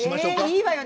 いいわよ